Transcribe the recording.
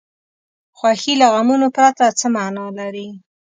خوښي له غمونو پرته څه معنا لري.